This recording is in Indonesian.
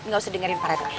gak usah dengerin pak rete